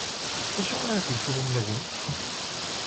D acu ara teg Taninna din?